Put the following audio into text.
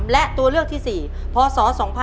และตัวเลือกที่๔พศ๒๕๖๒